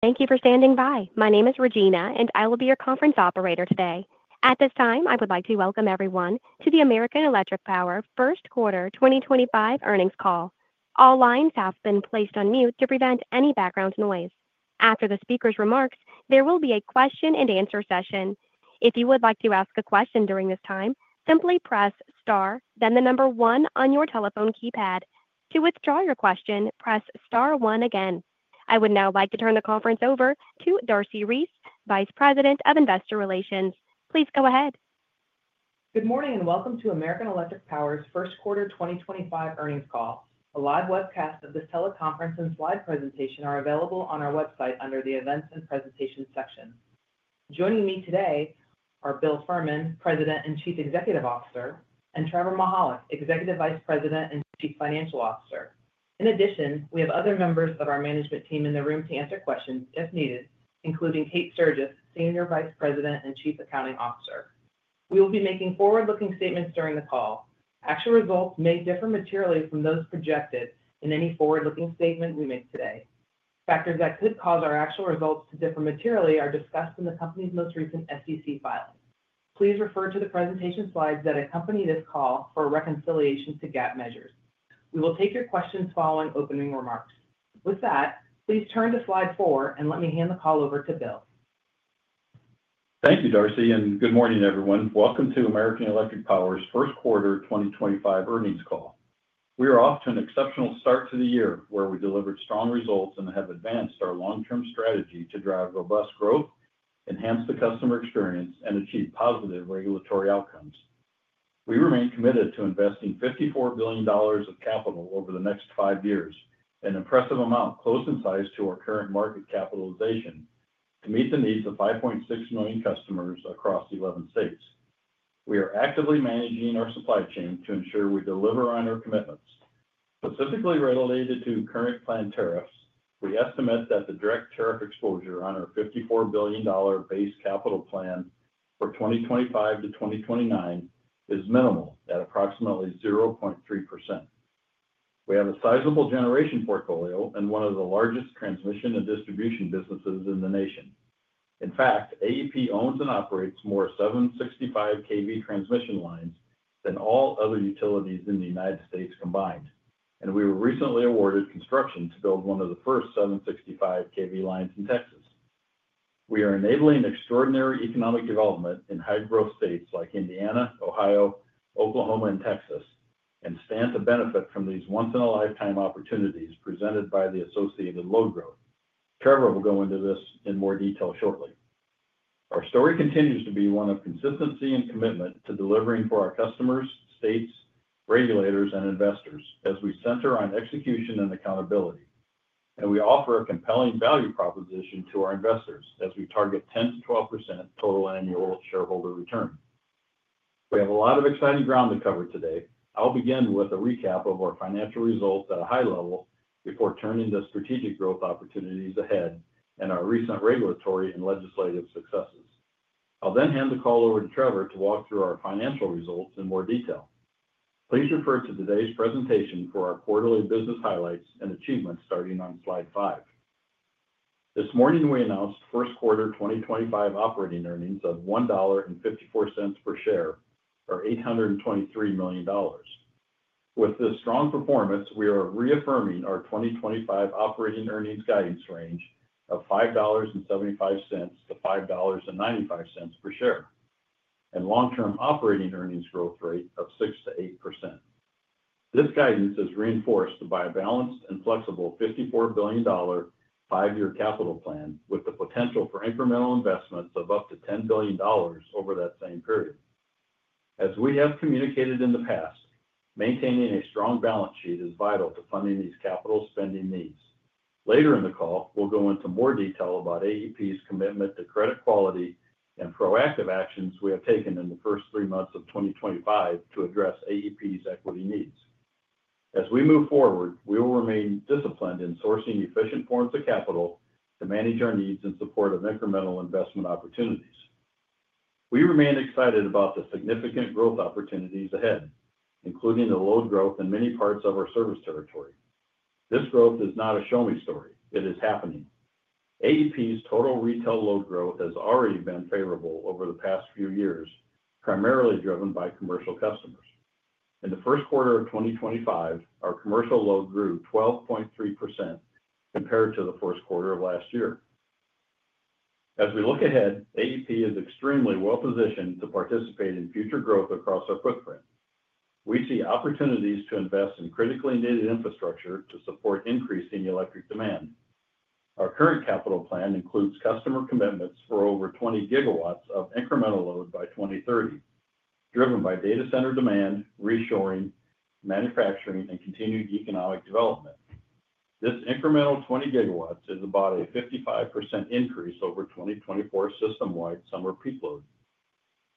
Thank you for standing by. My name is Regina, and I will be your conference operator today. At this time, I would like to welcome everyone to the American Electric Power First Quarter 2025 Earnings Call. All lines have been placed on mute to prevent any background noise. After the speaker's remarks, there will be a question-and-answer session. If you would like to ask a question during this time, simply press star, then the number one on your telephone keypad. To withdraw your question, press star one again. I would now like to turn the conference over to Darcy Reese, Vice President of Investor Relations. Please go ahead. Good morning and welcome to American Electric Power's First Quarter 2025 Earnings Call. The live webcast of this teleconference and slide presentation are available on our website under the Events and Presentations section. Joining me today are Bill Fehrman, President and Chief Executive Officer, and Trevor Mihalik, Executive Vice President and Chief Financial Officer. In addition, we have other members of our management team in the room to answer questions if needed, including Kate Sturgess, Senior Vice President and Chief Accounting Officer. We will be making forward-looking statements during the call. Actual results may differ materially from those projected in any forward-looking statement we make today. Factors that could cause our actual results to differ materially are discussed in the company's most recent SEC filing. Please refer to the presentation slides that accompany this call for reconciliation to GAAP measures. We will take your questions following opening remarks. With that, please turn to slide four and let me hand the call over to Bill. Thank you, Darcy, and good morning, everyone. Welcome to American Electric Power's First Quarter 2025 Earnings Call. We are off to an exceptional start to the year, where we delivered strong results and have advanced our long-term strategy to drive robust growth, enhance the customer experience, and achieve positive regulatory outcomes. We remain committed to investing $54 billion of capital, over the next five years, an impressive amount close in size to our current market capitalization, to meet the needs of 5.6 million customers across 11 states. We are actively managing our supply chain to ensure we deliver on our commitments. Specifically related to current planned tariffs, we estimate that the direct tariff exposure, on our $54 billion base capital plan, for 2025 to 2029 is minimal at approximately 0.3%. We have a sizable generation portfolio and one of the largest transmission and distribution businesses in the nation. In fact, AEP, owns and operates more 765 kV transmission lines, than all other utilities in the United States combined, and we were recently awarded construction to build one of the first 765 kV lines in Texas. We are enabling extraordinary economic development in high-growth states like Indiana, Ohio, Oklahoma, and Texas, and stand to benefit from these once-in-a-lifetime opportunities presented by the associated load growth. Trevor, will go into this in more detail shortly. Our story continues to be one of consistency and commitment to delivering for our customers, states, regulators, and investors as we center on execution and accountability, and we offer a compelling value proposition to our investors as we target 10-12% total annual shareholder return. We have a lot of exciting ground to cover today. I'll begin with a recap of our financial results at a high level before turning to strategic growth opportunities ahead and our recent regulatory and legislative successes. I'll then hand the call over to Trevor, to walk through our financial results in more detail. Please refer to today's presentation for our quarterly business highlights and achievements starting on slide five. This morning, we announced first quarter 2025 operating earnings, of $1.54 per share, or $823 million. With this strong performance, we are reaffirming our 2025 operating earnings guidance range, of $5.75-$5.95 per share, and long-term operating earnings growth rate, of 6-8%. This guidance is reinforced by a balanced and flexible $54 billion five-year capital plan, with the potential for incremental investments of up to $10 billion, over that same period. As we have communicated in the past, maintaining a strong balance sheet, is vital to funding these capital spending needs. Later in the call, we'll go into more detail about AEP's, commitment to credit quality and proactive actions we have taken in the first three months of 2025 to address AEP's equity needs. As we move forward, we will remain disciplined in sourcing efficient forms of capital to manage our needs in support of incremental investment opportunities. We remain excited about the significant growth opportunities ahead, including the load growth in many parts of our service territory. This growth is not a show-me story. It is happening. AEP's, total retail load growth has already been favorable over the past few years, primarily driven by commercial customers. In the first quarter of 2025, our commercial load grew 12.3%, compared to the first quarter of last year. As we look ahead, AEP, is extremely well-positioned to participate in future growth across our footprint. We see opportunities to invest in critically needed infrastructure to support increasing electric demand. Our current capital plan, includes customer commitments for over 20 gigawatts of incremental load by 2030, driven by data center demand, reshoring, manufacturing, and continued economic development. This incremental 20 gigawatts, is about a 55% increase, over 2024 system-wide summer peak load.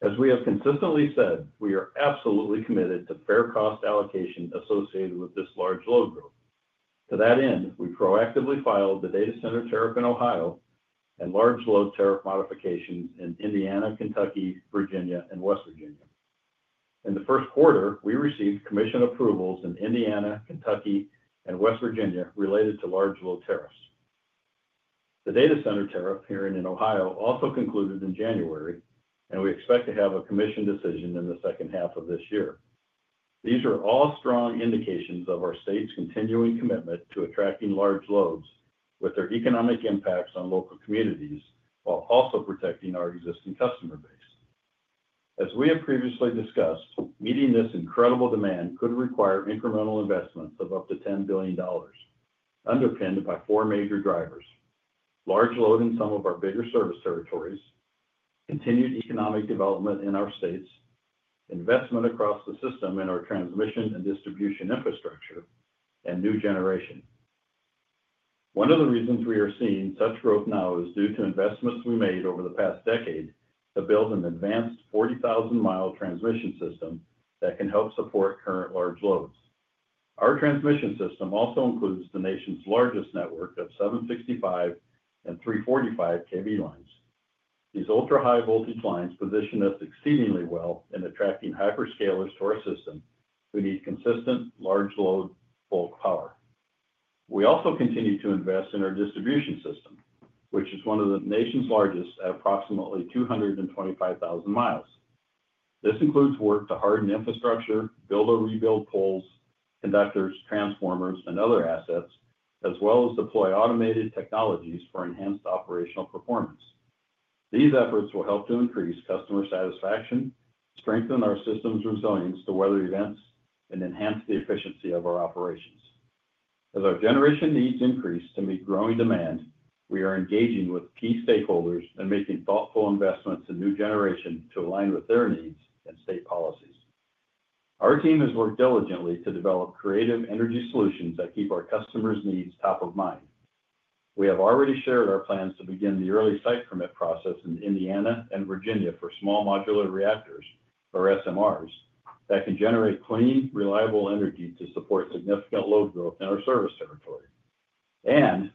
As we have consistently said, we are absolutely committed to fair cost allocation, associated with this large load growth. To that end, we proactively filed the data center tariff in Ohio, and large load tariff modifications in Indiana, Kentucky, Virginia, and West Virginia. In the first quarter, we received commission approvals in Indiana, Kentucky, and West Virginia, related to large load tariffs. The data center tariff here in Ohio, also concluded in January, and we expect to have a commission decision in the second half of this year. These are all strong indications of our state's continuing commitment to attracting large loads with their economic impacts on local communities while also protecting our existing customer base. As we have previously discussed, meeting this incredible demand could require incremental investments of up to $10 billion, underpinned by four major drivers: large load in some of our bigger service territories, continued economic development in our states, investment across the system in our transmission and distribution infrastructure, and new generation. One of the reasons we are seeing such growth now is due to investments we made over the past decade to build an advanced 40,000-mile transmission system, that can help support current large loads. Our transmission system also includes the nation's largest network of 765 and 345 kV lines. These ultra-high voltage lines, position us exceedingly well in attracting hyperscalers to our system who need consistent large load bulk power. We also continue to invest in our distribution system, which is one of the nation's largest at approximately 225,000 mi. This includes work to harden infrastructure, build or rebuild poles, conductors, transformers, and other assets, as well as deploy automated technologies for enhanced operational performance. These efforts will help to increase customer satisfaction, strengthen our system's resilience to weather events, and enhance the efficiency of our operations. As our generation needs increase to meet growing demand, we are engaging with key stakeholders and making thoughtful investments in new generation to align with their needs and state policies. Our team has worked diligently to develop creative energy solutions that keep our customers' needs top of mind. We have already shared our plans to begin the early site permit process in Indiana and Virginia, for small modular reactors, or SMRs, that can generate clean, reliable energy to support significant load growth in our service territory.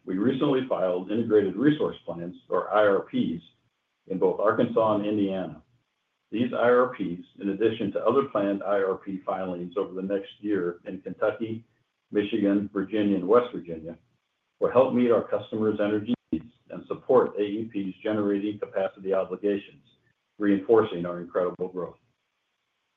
We recently filed integrated resource plans, or IRPs, in both Arkansas and Indiana. These IRPs, in addition to other planned IRP filings, over the next year in Kentucky, Michigan, Virginia, and West Virginia, will help meet our customers' energy needs and support AEP's, generating capacity obligations, reinforcing our incredible growth.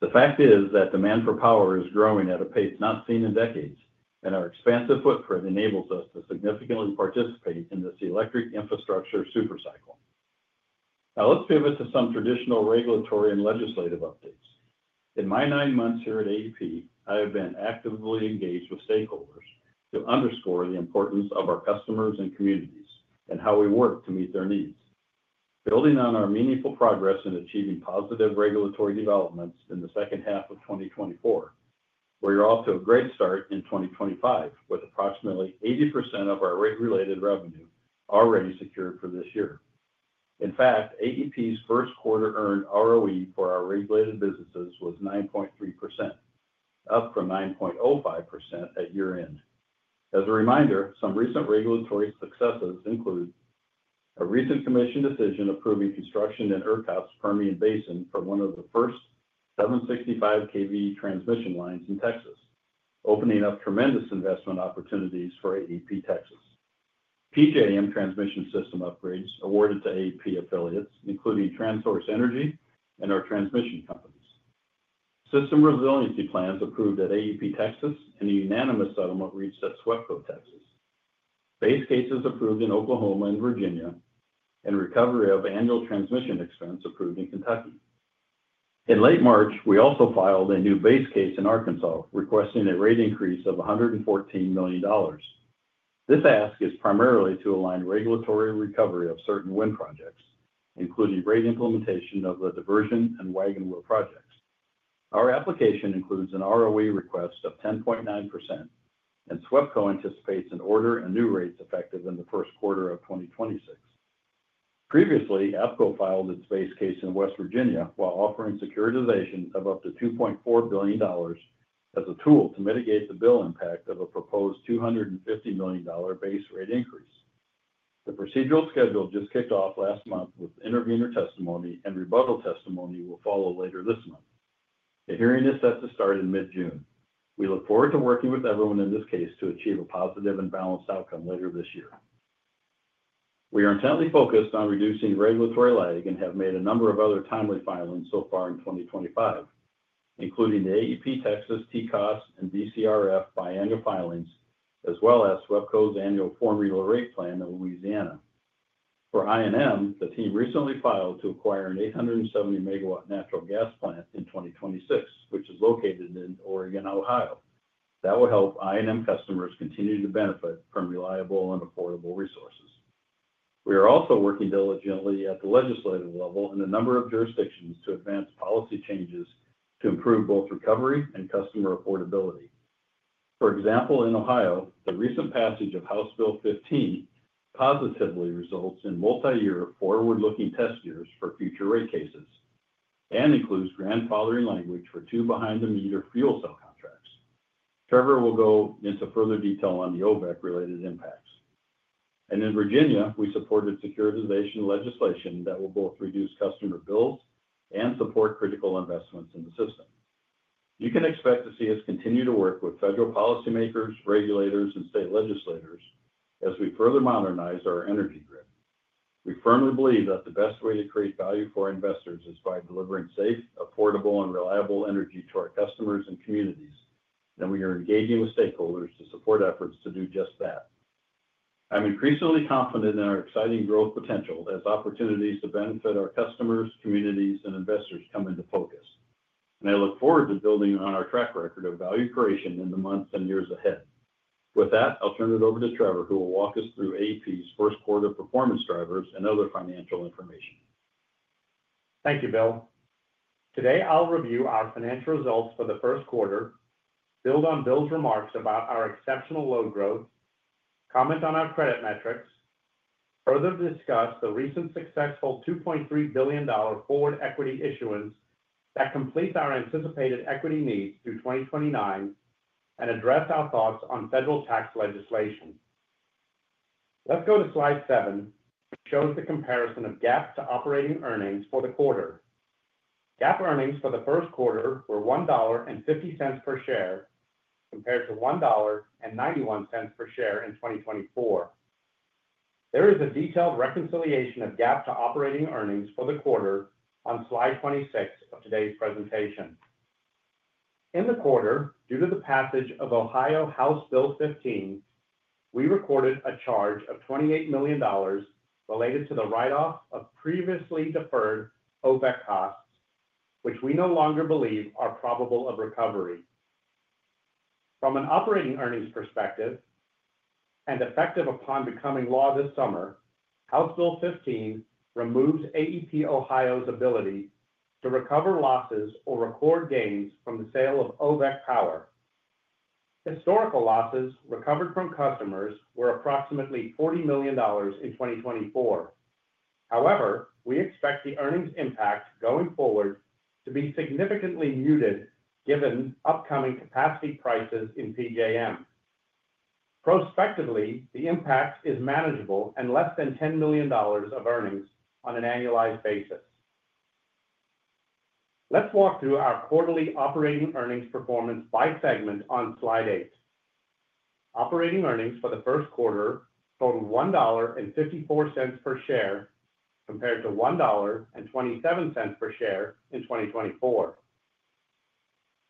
The fact is that demand for power is growing at a pace not seen in decades, and our expansive footprint enables us to significantly participate in this electric infrastructure supercycle. Now, let's pivot to some traditional regulatory and legislative updates. In my nine months here at AEP, I have been actively engaged with stakeholders to underscore the importance of our customers and communities and how we work to meet their needs. Building on our meaningful progress in achieving positive regulatory developments in the second half of 2024, we are off to a great start in 2025 with approximately 80%, of our regulated revenue, already secured for this year. In fact, AEP's, first quarter earned ROE, for our regulated businesses was 9.3%, up from 9.05%, at year-end. As a reminder, some recent regulatory successes include a recent commission decision approving construction in ERCOT's Permian Basin, for one of the first 765 kV transmission lines, in Texas, opening up tremendous investment opportunities for AEP Texas. PJM transmission system, upgrades awarded to AEP affiliates, including Transource Energy, and our transmission companies. System resiliency plans approved at AEP Texas, and a unanimous settlement reached at SWEPCO Texas. Base cases approved in Oklahoma and Virginia, and recovery of annual transmission expense, approved in Kentucky. In late March, we also filed a new base case in Arkansas, requesting a rate increase of $114 million. This ask is primarily to align regulatory recovery of certain wind projects, including rate implementation of the Diversion and Wagon Wheel projects. Our application includes an ROE request, of 10.9%, and SWEPCO, anticipates an order and new rates effective in the first quarter of 2026. Previously, APCO, filed its base case in West Virginia, while offering securitization of up to $2.4 billion as a tool to mitigate the bill impact of a proposed $250 million base rate increase. The procedural schedule just kicked off last month with intervenor testimony, and rebuttal testimony will follow later this month. The hearing is set to start in mid-June. We look forward to working with everyone in this case to achieve a positive and balanced outcome later this year. We are intently focused on reducing regulatory lag and have made a number of other timely filings so far in 2025, including the AEP Texas, TCOS, and DCRF biannual filings, as well as SWEPCO's annual formula rate plan in Louisiana. For I&M, the team recently filed to acquire an 870-megawatt natural gas plant in 2026, which is located in Oregon, Ohio. That will help I&M customers, continue to benefit from reliable and affordable resources. We are also working diligently at the legislative level in a number of jurisdictions to advance policy changes to improve both recovery and customer affordability. For example, in Ohio, the recent passage of House Bill 15, positively results in multi-year, forward-looking test years for future rate cases and includes grandfathering language for two behind-the-meter fuel cell contracts. Trevor, will go into further detail on the OVEC-related impacts. In Virginia, we supported securitization legislation that will both reduce customer bills and support critical investments in the system. You can expect to see us continue to work with federal policymakers, regulators, and state legislators as we further modernize our energy grid. We firmly believe that the best way to create value for investors is by delivering safe, affordable, and reliable energy to our customers and communities, and we are engaging with stakeholders to support efforts to do just that. I'm increasingly confident in our exciting growth potential as opportunities to benefit our customers, communities, and investors come into focus, and I look forward to building on our track record of value creation in the months and years ahead. With that, I'll turn it over to Trevor, who will walk us through AEP's first quarter, performance drivers and other financial information. Thank you, Bill. Today, I'll review our financial results for the first quarter, build on Bill's remarks, about our exceptional load growth, comment on our credit metrics, further discuss the recent successful $2.3 billion forward equity issuance, that completes our anticipated equity needs through 2029, and address our thoughts on federal tax legislation. Let's go to slide seven, which shows the comparison of GAAP to operating earnings, for the quarter. GAAP earnings, for the first quarter were $1.50 per share, compared to $1.91 per share, in 2024. There is a detailed reconciliation of GAAP to operating earnings, for the quarter on slide 26, of today's presentation. In the quarter, due to the passage of Ohio House Bill 15, we recorded a charge of $28 million, related to the write-off, of previously deferred OVEC costs, which we no longer believe are probable of recovery. From an operating earnings perspective, and effective upon becoming law this summer, House Bill 15, removes AEP Ohio's, ability to recover losses or record gains, from the sale of OVEC power. Historical losses, recovered from customers were approximately $40 million, in 2024. However, we expect the earnings impact going forward to be significantly muted given upcoming capacity prices in PJM. Prospectively, the impact is manageable and less than $10 million of earnings, on an annualized basis. Let's walk through our quarterly operating earnings performance, by segment on slide eight. Operating earnings, for the first quarter totaled $1.54 per share, compared to $1.27 per share, in 2024.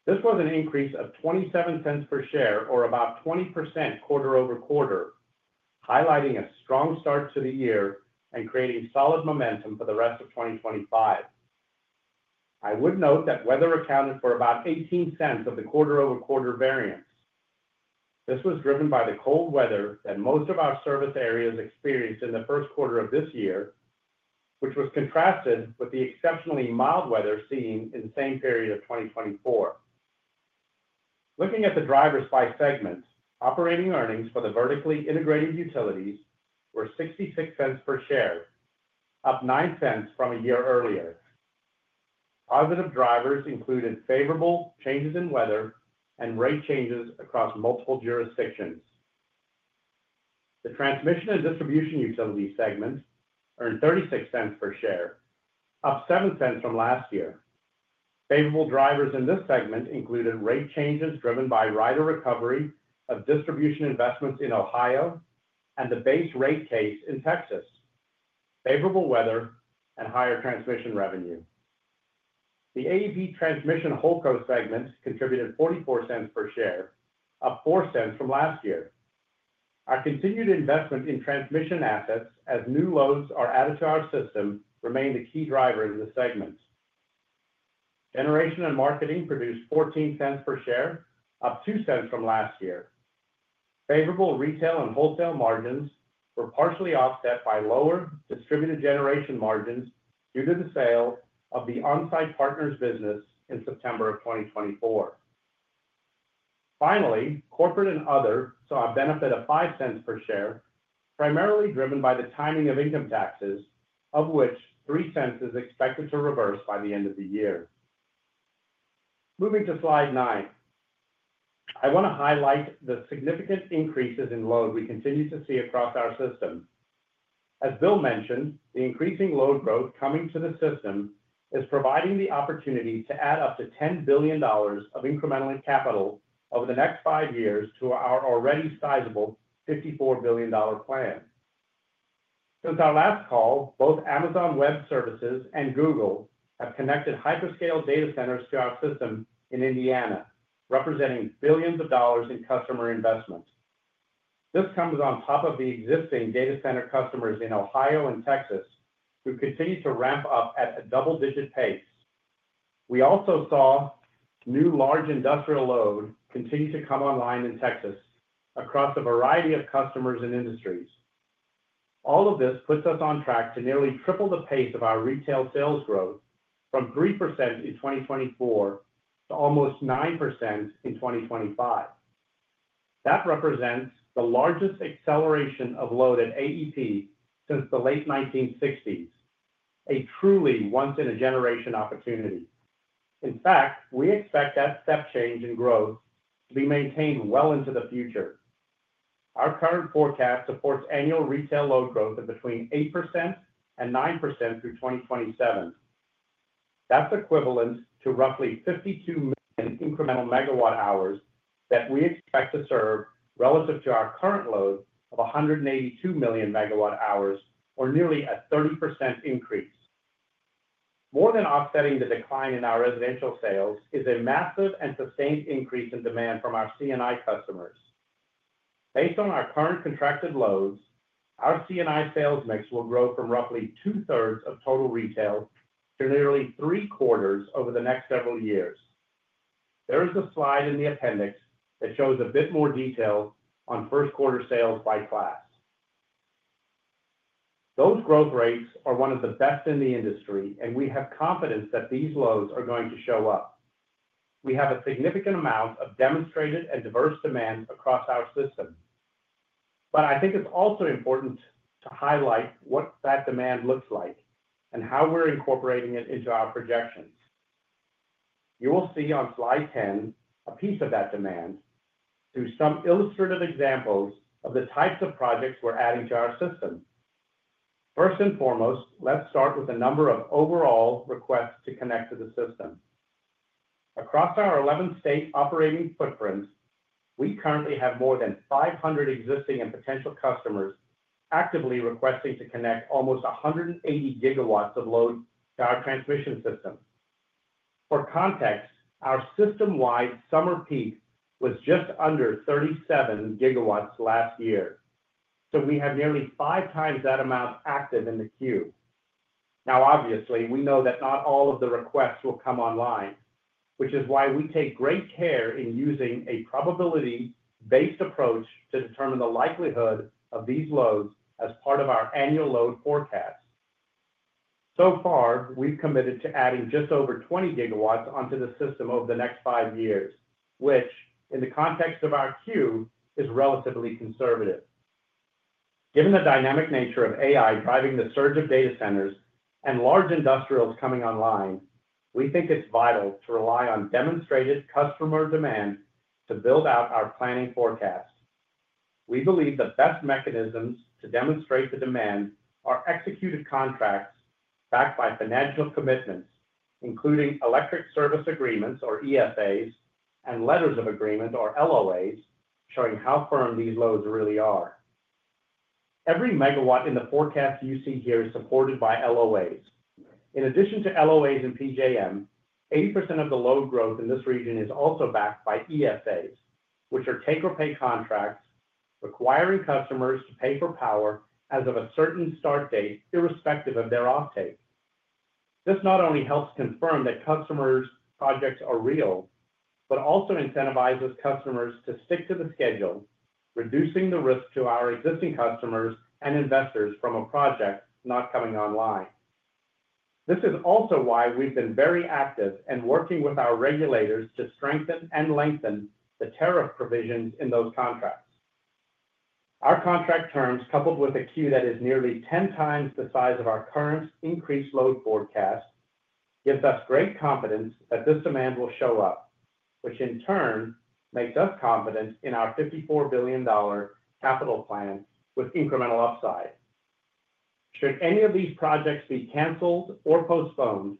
This was an increase of $0.27 per share, or about 20%, quarter over quarter, highlighting a strong start to the year and creating solid momentum for the rest of 2025. I would note that weather accounted for about $0.18, of the quarter-over-quarter variance. This was driven by the cold weather that most of our service areas experienced in the first quarter of this year, which was contrasted with the exceptionally mild weather seen in the same period of 2024. Looking at the drivers by segment, operating earnings, for the vertically integrated utilities were $0.66 per share, up $0.09 from a year earlier. Positive drivers included favorable changes in weather and rate changes across multiple jurisdictions. The transmission and distribution utility segment earned $0.36 per share, up $0.07 from last year. Favorable drivers in this segment included rate changes driven by rider recovery of distribution investments in Ohio, and the base rate case in Texas, favorable weather, and higher transmission revenue. The AEP, transmission holdco segment contributed $0.44 per share, up $0.04 from last year. Our continued investment in transmission assets, as new loads are added to our system remained the key driver in this segment. Generation and marketing produced $0.14 per share, up $0.02 from last year. Favorable retail and wholesale margins were partially offset by lower distributed generation margins, due to the sale of the OnSite Partners business, in September 2024. Finally, corporate and other saw a benefit of $0.05 per share, primarily driven by the timing of income taxes, of which $0.03, is expected to reverse by the end of the year. Moving to slide nine, I want to highlight the significant increases in load we continue to see across our system. As Bill mentioned, the increasing load growth coming to the system is providing the opportunity to add up to $10 billion of incremental capital over the next five years to our already sizable $54 billion plan. Since our last call, both Amazon Web Services and Google, have connected hyperscale data centers to our system in Indiana, representing billions of dollars in customer investment. This comes on top of the existing data center customers in Ohio and Texas, who continue to ramp up at a double-digit pace. We also saw new large industrial load continue to come online in Texas, across a variety of customers and industries. All of this puts us on track to nearly triple the pace of our retail sales growth, from 3%, in 2024 to almost 9%, in 2025. That represents the largest acceleration of load at AEP, since the late 1960s, a truly once-in-a-generation opportunity. In fact, we expect that step change in growth, to be maintained well into the future. Our current forecast supports annual retail load growth of between 8% and 9%, through 2027. That's equivalent to roughly 52 million incremental megawatt hours, that we expect to serve relative to our current load of 182 million megawatt hours, or nearly a 30% increase. More than offsetting the decline in our residential sales, is a massive and sustained increase in demand from our C&I customers. Based on our current contracted loads, our C&I sales mix, will grow from roughly two-thirds of total retail to nearly three-quarters over the next several years. There is a slide in the appendix that shows a bit more detail on first-quarter sales by class. Those growth rates, are one of the best in the industry, and we have confidence that these loads are going to show up. We have a significant amount of demonstrated and diverse demand across our system. I think it's also important to highlight what that demand looks like and how we're incorporating it into our projections. You will see on slide 10, a piece of that demand through some illustrative examples of the types of projects we're adding to our system. First and foremost, let's start with the number of overall requests to connect to the system. Across our 11-state operating footprint, we currently have more than 500 existing and potential customers actively requesting to connect almost 180 gigawatts, of load to our transmission system. For context, our system-wide summer peak was just under 37 gigawatts last year, so we have nearly five times that amount active in the queue. Now, obviously, we know that not all of the requests will come online, which is why we take great care in using a probability-based approach to determine the likelihood of these loads as part of our annual load forecasts. So far, we've committed to adding just over 20 gigawatts, onto the system over the next five years, which, in the context of our queue, is relatively conservative. Given the dynamic nature of AI driving the surge of data centers and large industrials coming online, we think it's vital to rely on demonstrated customer demand to build out our planning forecast. We believe the best mechanisms to demonstrate the demand are executed contracts backed by financial commitments, including electric service agreements, or ESAs, and letters of agreement, or LOAs, showing how firm these loads really are. Every megawatt in the forecast you see here is supported by LOAs. In addition to LOAs in PJM, 80%, of the load growth in this region is also backed by ESAs, which are take-or-pay contracts requiring customers to pay for power as of a certain start date, irrespective of their offtake. This not only helps confirm that customers' projects are real, but also incentivizes customers to stick to the schedule, reducing the risk to our existing customers and investors from a project not coming online. This is also why we've been very active in working with our regulators to strengthen and lengthen the tariff provisions in those contracts. Our contract terms, coupled with a queue that is nearly 10 times, the size of our current increased load forecast, give us great confidence that this demand will show up, which in turn makes us confident in our $54 billion capital plan, with incremental upside. Should any of these projects be canceled or postponed,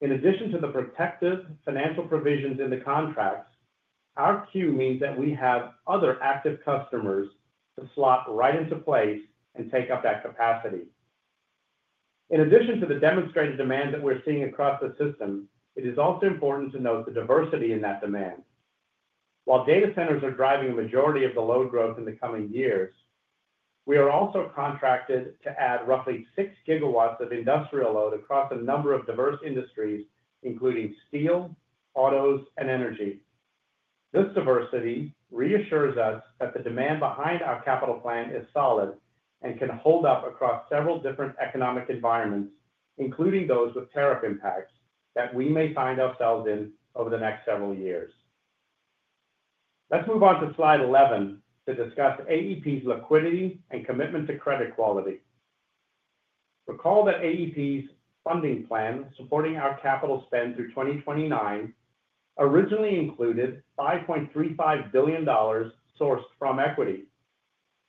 in addition to the protective financial provisions in the contracts, our queue means that we have other active customers to slot right into place and take up that capacity. In addition to the demonstrated demand that we're seeing across the system, it is also important to note the diversity in that demand. While data centers are driving a majority of the load growth in the coming years, we are also contracted to add roughly 6 gigawatts, of industrial load across a number of diverse industries, including steel, autos, and energy. This diversity reassures us that the demand behind our capital plan is solid and can hold up across several different economic environments, including those with tariff impacts that we may find ourselves in over the next several years. Let's move on to slide 11, to discuss AEP's liquidity, and commitment to credit quality. Recall that AEP's, funding plan supporting our capital spend through 2029 originally included $5.35 billion, sourced from equity.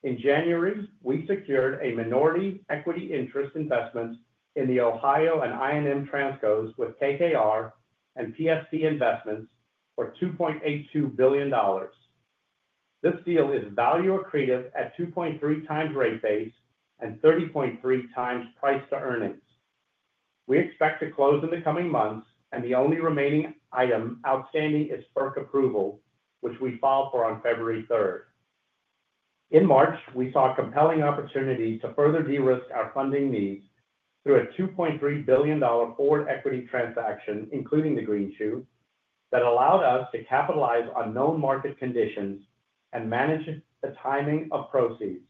In January, we secured a minority equity interest investment, in the Ohio and I&M, transcos with KKR and PSC Investments, for $2.82 billion. This deal is value accretive at 2.3 times rate, base and 30.3 times, price to earnings. We expect to close in the coming months, and the only remaining item outstanding is FERC approval, which we filed for on February 3rd. In March, we saw a compelling opportunity to further de-risk our funding needs through a $2.3 billion, forward equity transaction, including the green shoot, that allowed us to capitalize on known market conditions and manage the timing of proceeds.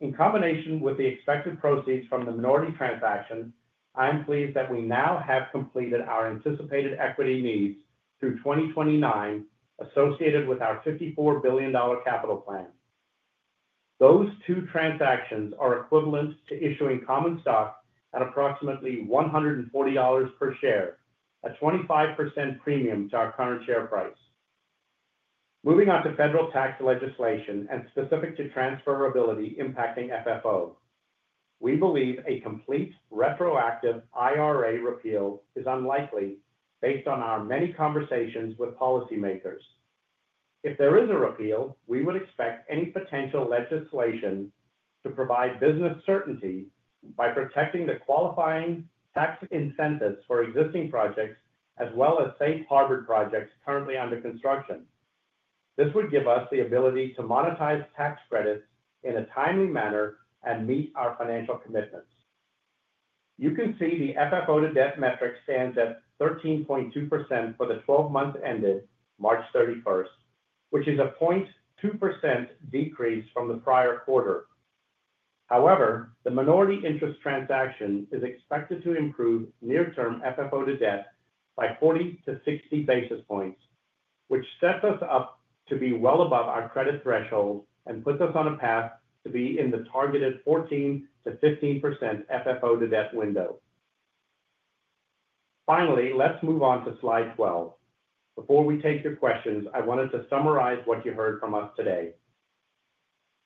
In combination with the expected proceeds from the minority transaction, I'm pleased that we now have completed our anticipated equity needs through 2029 associated with our $54 billion capital plan. Those two transactions are equivalent to issuing common stock at approximately $140 per share, a 25%, premium to our current share price. Moving on to federal tax legislation and specific to transferability impacting FFO, we believe a complete retroactive IRA, repeal is unlikely based on our many conversations with policymakers. If there is a repeal, we would expect any potential legislation to provide business certainty by protecting the qualifying tax incentives, for existing projects, as well as safe harbor projects currently under construction. This would give us the ability to monetize tax credits in a timely manner and meet our financial commitments. You can see the FFO to debt metric, stands at 13.2%, for the 12 months ended March 31, which is a 0.2%, decrease from the prior quarter. However, the minority interest transaction is expected to improve near-term FFO to debt, by 40 to 60 basis points, which sets us up to be well above our credit threshold and puts us on a path to be in the targeted 14-15% FFO to debt window. Finally, let's move on to slide 12. Before we take your questions, I wanted to summarize what you heard from us today.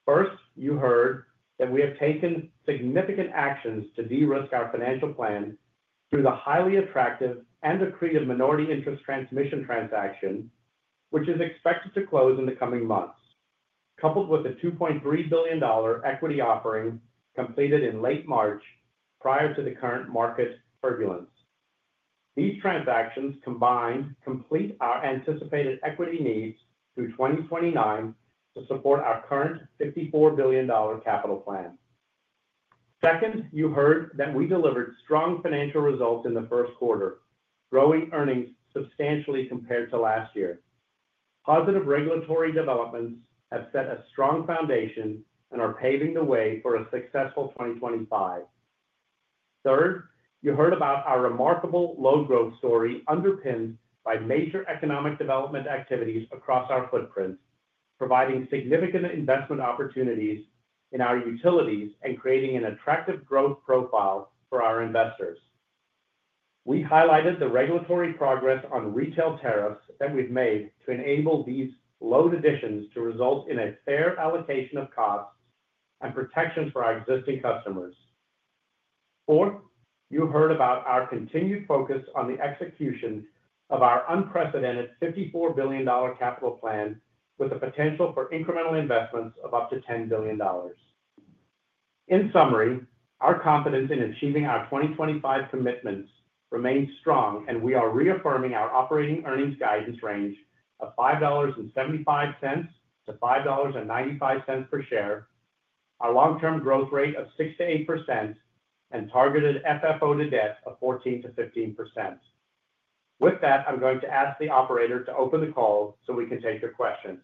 First, you heard that we have taken significant actions to de-risk our financial plan through the highly attractive and accretive minority interest transmission transaction, which is expected to close in the coming months, coupled with the $2.3 billion equity, offering completed in late March prior to the current market turbulence. These transactions combined complete our anticipated equity needs through 2029 to support our current $54 billion capital plan. Second, you heard that we delivered strong financial results in the first quarter, growing earnings substantially compared to last year. Positive regulatory developments have set a strong foundation and are paving the way for a successful 2025. Third, you heard about our remarkable load growth story underpinned by major economic development activities across our footprint, providing significant investment opportunities in our utilities and creating an attractive growth profile for our investors. We highlighted the regulatory progress on retail tariffs that we've made to enable these load additions to result in a fair allocation of costs and protections for our existing customers. Fourth, you heard about our continued focus on the execution of our unprecedented $54 billion capital plan, with the potential for incremental investments of up to $10 billion. In summary, our confidence in achieving our 2025 commitments remains strong, and we are reaffirming our operating earnings guidance range, of $5.75-$5.95 per share, our long-term growth rate of 6-8%, and targeted FFO to debt, of 14-15%. With that, I'm going to ask the operator to open the call so we can take your questions.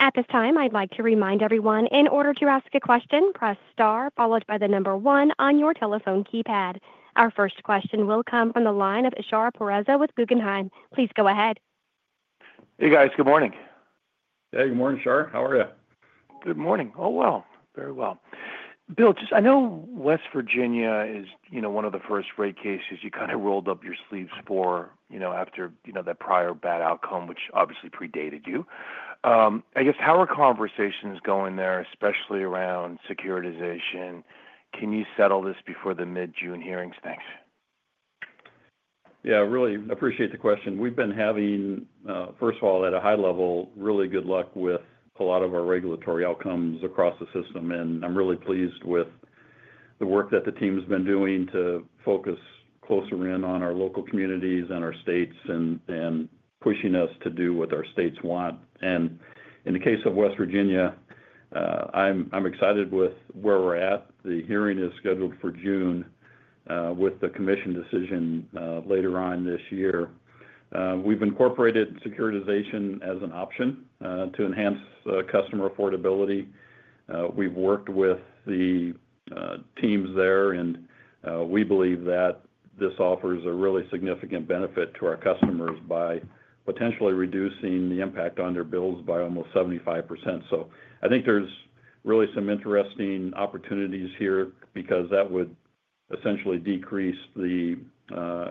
At this time, I'd like to remind everyone, in order to ask a question, press star followed by the number one on your telephone keypad. Our first question will come from the line of Shar Pourreza, with Guggenheim. Please go ahead. Hey, guys. Good morning. Hey. Good morning, Sir. How are you? Good morning. Oh, very well. Bill, just I know West Virginia is one of the first rate cases you kind of rolled up your sleeves for after that prior bad outcome, which obviously predated you. I guess, how are conversations going there, especially around securitization? Can you settle this before the mid-June hearings? Thanks. Yeah. Really appreciate the question. We've been having, first of all, at a high level, really good luck with a lot of our regulatory outcomes across the system, and I'm really pleased with the work that the team's been doing to focus closer in on our local communities and our states and pushing us to do what our states want. In the case of West Virginia, I'm excited with where we're at. The hearing is scheduled for June with the commission decision later on this year. We've incorporated securitization as an option to enhance customer affordability. We've worked with the teams there, and we believe that this offers a really significant benefit to our customers by potentially reducing the impact on their bills by almost 75%. I think there's really some interesting opportunities here because that would essentially decrease the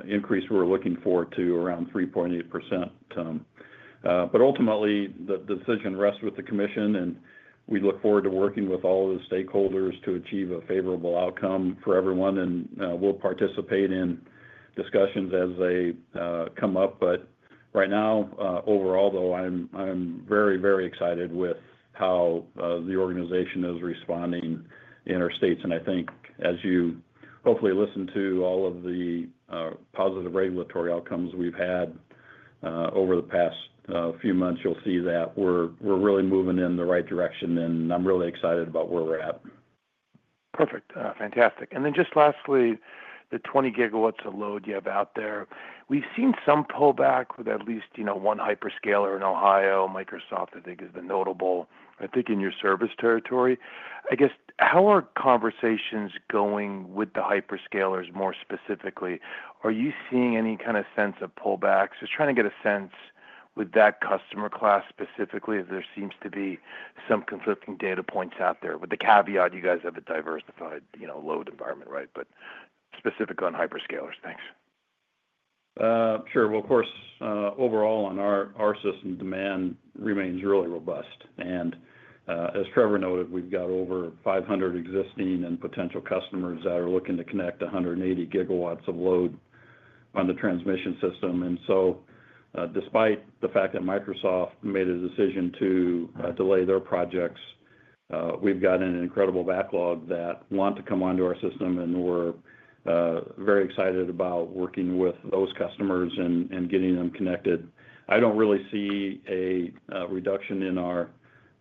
increase we're looking forward to around 3.8%. Ultimately, the decision rests with the commission, and we look forward to working with all of the stakeholders to achieve a favorable outcome for everyone, and we'll participate in discussions as they come up. Right now, overall, though, I'm very, very excited with how the organization is responding in our states. I think, as you hopefully listen to all of the positive regulatory outcomes we've had over the past few months, you'll see that we're really moving in the right direction, and I'm really excited about where we're at. Perfect. Fantastic. Lastly, the 20 gigawatts of load, you have out there, we've seen some pullback with at least one hyperscaler in Ohio. Microsoft, I think, has been notable, I think, in your service territory. I guess, how are conversations going with the hyperscalers more specifically? Are you seeing any kind of sense of pullback? Just trying to get a sense with that customer class specifically if there seems to be some conflicting data points out there, with the caveat you guys have a diversified load environment, right? Specific on hyperscalers. Thanks. Sure. Of course, overall, on our system, demand remains really robust. As Trevor noted, we have over 500 existing and potential customers that are looking to connect 180 gigawatts of load, on the transmission system. Despite the fact that Microsoft, made a decision to delay their projects, we have an incredible backlog that want to come onto our system, and we are very excited about working with those customers and getting them connected. I do not really see a reduction in our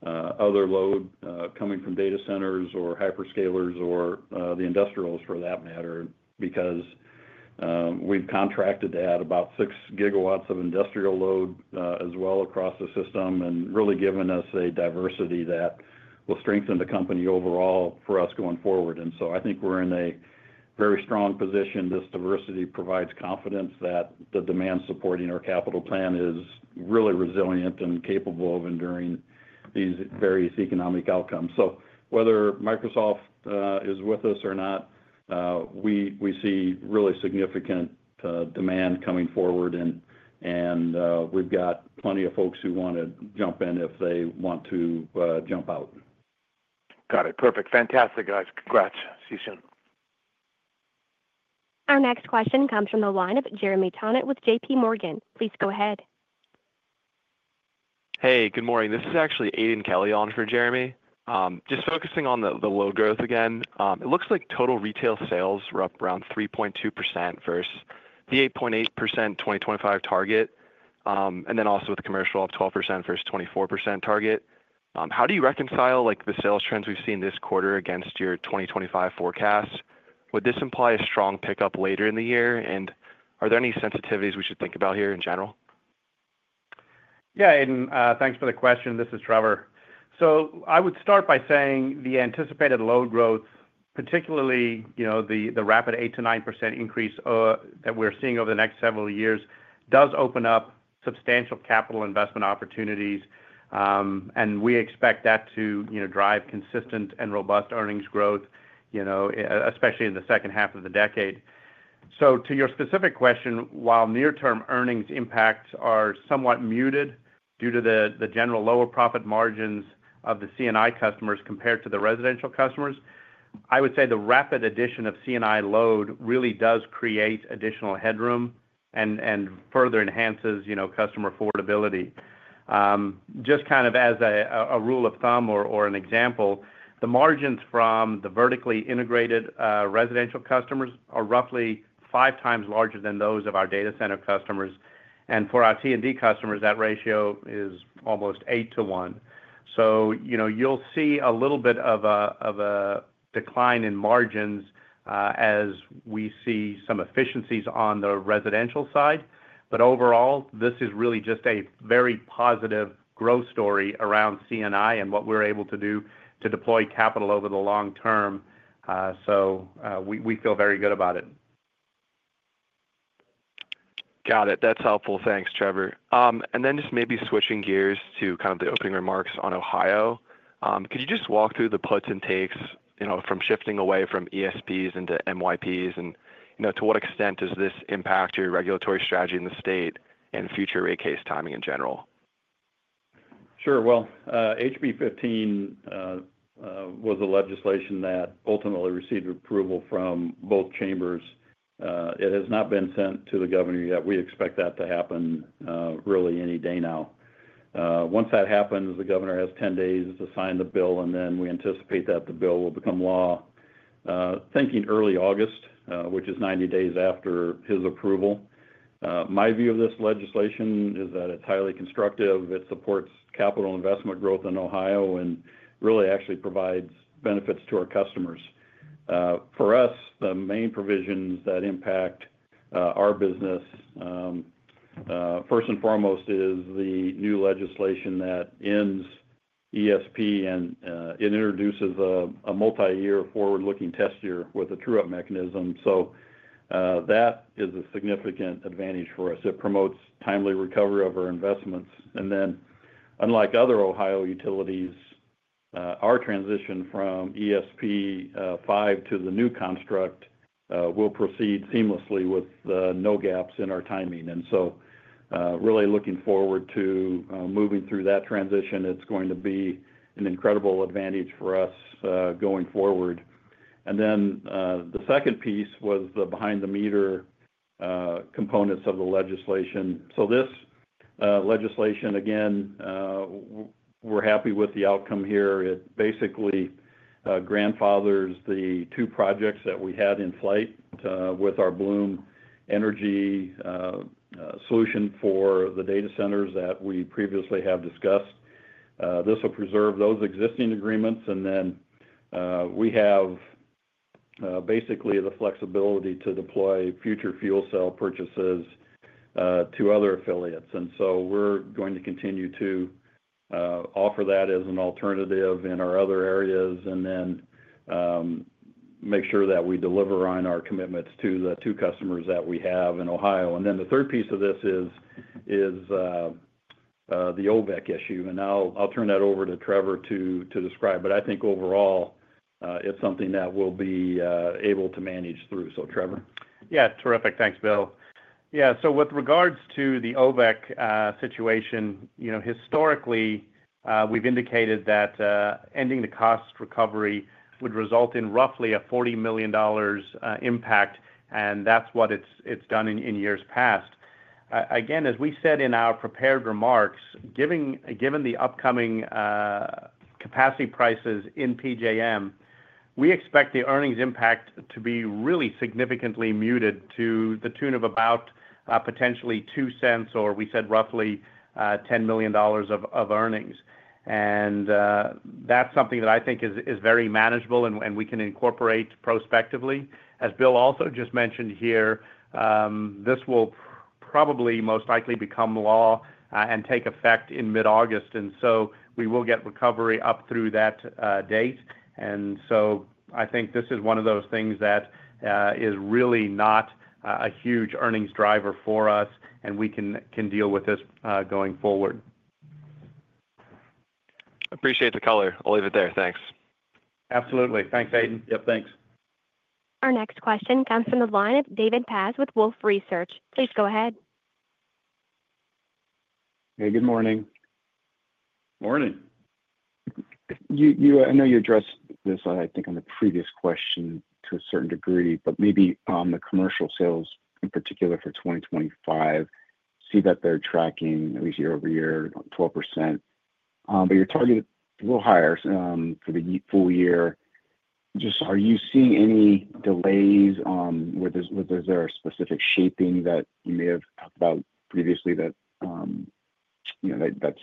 other load coming from data centers or hyperscalers or the industrials for that matter because we have contracted to add about 6 gigawatts of industrial load, as well across the system and really given us a diversity that will strengthen the company overall for us going forward. I think we are in a very strong position. This diversity provides confidence that the demand supporting our capital plan is really resilient and capable of enduring these various economic outcomes. Whether Microsoft, is with us or not, we see really significant demand coming forward, and we've got plenty of folks who want to jump in if they want to jump out. Got it. Perfect. Fantastic, guys. Congrats. See you soon. Our next question comes from the line of Jeremy Tonet, with JPMorgan. Please go ahead. Hey. Good morning. This is actually Aidan Kelly, on for Jeremy. Just focusing on the load growth again, it looks like total retail sales, were up around 3.2% versus the 8.8%, 2025 target, and then also with commercial up 12% versus 24% target. How do you reconcile the sales, trends we've seen this quarter against your 2025 forecast? Would this imply a strong pickup later in the year? Are there any sensitivities we should think about here in general? Yeah. Aidan, thanks for the question. This is Trevor. I would start by saying the anticipated load growth, particularly the rapid 8-9% increase, that we're seeing over the next several years, does open up substantial capital investment opportunities, and we expect that to drive consistent and robust earnings growth, especially in the second half of the decade. To your specific question, while near-term earnings, impacts are somewhat muted due to the general lower profit margins, of the C&I customers, compared to the residential customers, I would say the rapid addition of C&I load, really does create additional headroom and further enhances customer affordability. Just kind of as a rule of thumb or an example, the margins from the vertically integrated residential customers are roughly five times, larger than those of our data center customers. For our T&D customers, that ratio is almost 8 to 1. You'll see a little bit of a decline in margins as we see some efficiencies on the residential side. Overall, this is really just a very positive growth story around C&I, and what we're able to do to deploy capital over the long term. We feel very good about it. Got it. That's helpful. Thanks, Trevor. Maybe switching gears to kind of the opening remarks on Ohio, could you just walk through the puts and takes from shifting away from ESPs, into MYPs, and to what extent does this impact your regulatory strategy in the state and future rate case timing in general? Sure. HB 15, was a legislation that ultimately received approval from both chambers. It has not been sent to the governor yet. We expect that to happen really any day now. Once that happens, the governor has 10 days, to sign the bill, and then we anticipate that the bill will become law, thinking early August, which is 90 days, after his approval. My view of this legislation is that it's highly constructive. It supports capital investment growth in Ohio, and really actually provides benefits to our customers. For us, the main provisions that impact our business, first and foremost, is the new legislation that ends ESP, and introduces a multi-year forward-looking test year with a true-up mechanism. That is a significant advantage for us. It promotes timely recovery of our investments. Unlike other Ohio utilities, our transition from ESP 5, to the new construct will proceed seamlessly with no gaps in our timing. I am really looking forward to moving through that transition. It's going to be an incredible advantage for us going forward. The second piece was the behind-the-meter components of the legislation. This legislation, again, we're happy with the outcome here. It basically grandfathers the two projects that we had in flight with our Bloom Energy solution, for the data centers that we previously have discussed. This will preserve those existing agreements, and we have basically the flexibility to deploy future fuel cell purchases to other affiliates. We're going to continue to offer that as an alternative in our other areas and make sure that we deliver on our commitments to the two customers that we have in Ohio. The third piece of this is the OVEC issue. I'll turn that over to Trevor, to describe. I think overall, it's something that we'll be able to manage through. Trevor? Yeah. Terrific. Thanks, Bill. Yeah. With regards to the OVEC situation, historically, we've indicated that ending the cost recovery would result in roughly a $40 million impact, and that's what it's done in years past. Again, as we said in our prepared remarks, given the upcoming capacity prices in PJM, we expect the earnings impact to be really significantly muted to the tune of about potentially 2 cents or, we said, roughly $10 million of earnings. That's something that I think is very manageable, and we can incorporate prospectively. As Bill also just mentioned here, this will probably most likely become law and take effect in mid-August. We will get recovery up through that date. I think this is one of those things that is really not a huge earnings driver for us, and we can deal with this going forward. Appreciate the color. I'll leave it there. Thanks. Absolutely. Thanks, Aidan. Yep. Thanks. Our next question comes from the line of David Paz, with Wolfe Research. Please go ahead. Hey. Good morning. Morning. I know you addressed this, I think, on the previous question to a certain degree, but maybe on the commercial sales in particular for 2025, see that they're tracking at least year over year, 12%. But your target is a little higher for the full year. Just are you seeing any delays? Is there a specific shaping that you may have talked about previously that's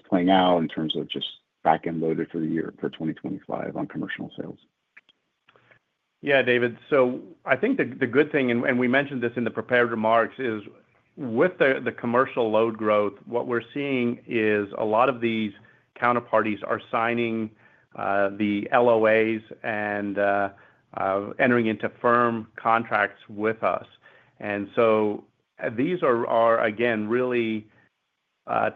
playing out in terms of just back-end loaded for the year for 2025 on commercial sales? Yeah, David. I think the good thing—and we mentioned this in the prepared remarks—is with the commercial load growth, what we're seeing is a lot of these counterparties are signing the LOAs and entering into firm contracts with us. These are, again, really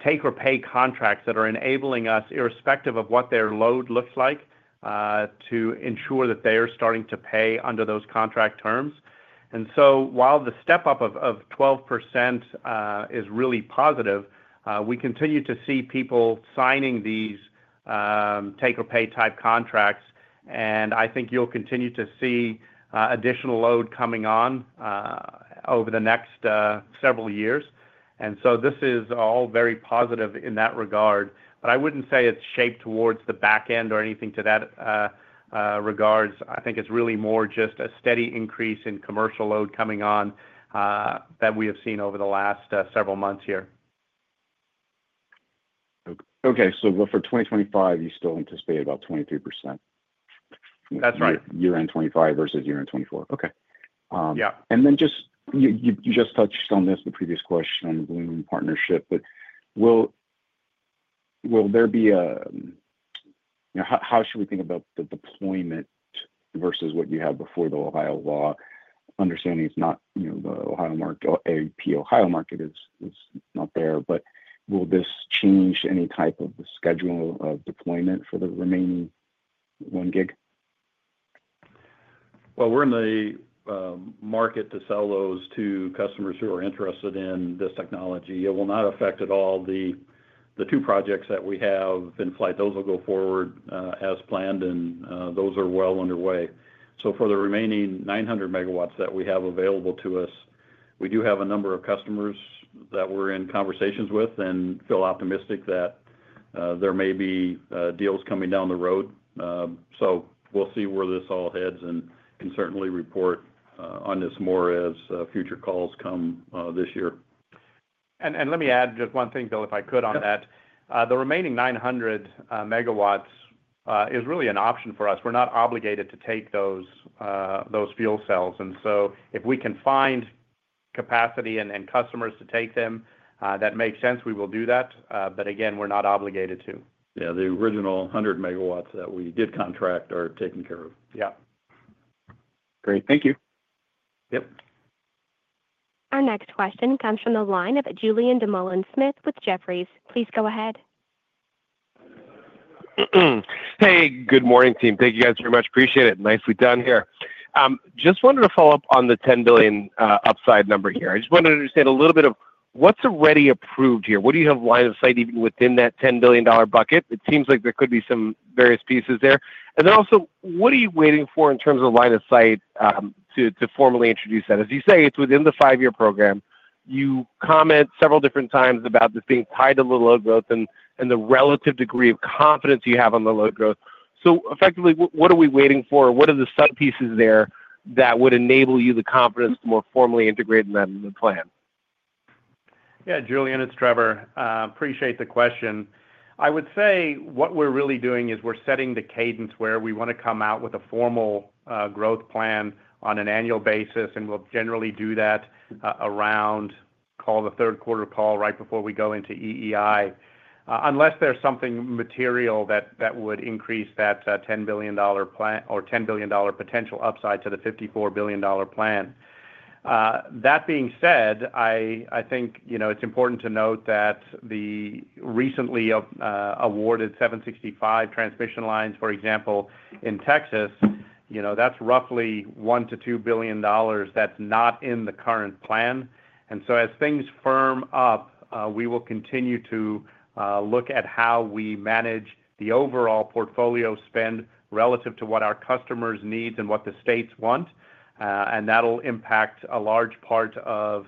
take-or-pay contracts that are enabling us, irrespective of what their load looks like, to ensure that they are starting to pay under those contract terms. While the step-up of 12%, is really positive, we continue to see people signing these take-or-pay type contracts. I think you'll continue to see additional load coming on over the next several years. This is all very positive in that regard. I would not say it's shaped towards the back end or anything to that regard. I think it's really more just a steady increase in commercial load coming on that we have seen over the last several months here. Okay. For 2025, you still anticipate about 23%? That's right. Year-end 2025 versus year-end 2024. Okay. You just touched on this, the previous question on the Bloom partnership. Will there be a—how should we think about the deployment versus what you have before the Ohio law? Understanding it's not the Ohio market, AEP Ohio market, is not there. Will this change any type of the schedule of deployment for the remaining 1 gig? We are in the market to sell those to customers who are interested in this technology. It will not affect at all the two projects that we have in flight. Those will go forward as planned, and those are well underway. For the remaining 900 megawatts, that we have available to us, we do have a number of customers that we are in conversations with and feel optimistic that there may be deals coming down the road. We will see where this all heads and can certainly report on this more as future calls come this year. Let me add just one thing, Bill, if I could on that. The remaining 900 megawatts, is really an option for us. We're not obligated to take those fuel cells. If we can find capacity and customers to take them, that makes sense. We will do that. Again, we're not obligated to. Yeah. The original 100 megawatts, that we did contract are taken care of. Yep. Great. Thank you. Yep. Our next question comes from the line of Julien Dumoulin-Smith, with Jefferies. Please go ahead. Hey. Good morning, team. Thank you guys very much. Appreciate it. Nicely done here. Just wanted to follow up on the $10 billion, upside number here. I just wanted to understand a little bit of what's already approved here. What do you have line of sight even within that $10 billion bucket? It seems like there could be some various pieces there. Also, what are you waiting for in terms of line of sight to formally introduce that? As you say, it is within the five-year program. You comment several different times about this being tied to the load growth and the relative degree of confidence you have on the load growth. Effectively, what are we waiting for? What are the subpieces there that would enable you the confidence to more formally integrate in that plan? Yeah. Julien, it is Trevor. Appreciate the question. I would say what we're really doing is we're setting the cadence where we want to come out with a formal growth plan on an annual basis, and we'll generally do that around, call the third quarter call right before we go into EEI, unless there's something material that would increase that $10 billion or $10 billion, potential upside to the $54 billion plan. That being said, I think it's important to note that the recently awarded 765 transmission lines, for example, in Texas, that's roughly $1 billion-$2 billion, that's not in the current plan. As things firm up, we will continue to look at how we manage the overall portfolio spend relative to what our customers need and what the states want. That will impact a large part of